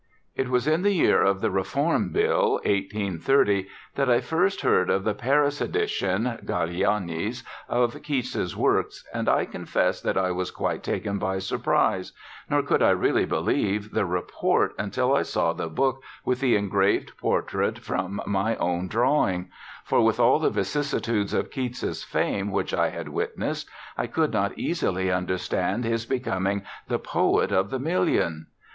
It was in the year of the Reform Bill, 1830, that I first heard of the Paris edition (Galignani's) of Keats's works, and I confess that I was quite taken by surprise, nor could I really believe the report until I saw the book with the engraved portrait from my own drawing; for, after all the vicissitudes of Keats's fame which I had witnessed, I could not easily understand his becoming the poet of "the million."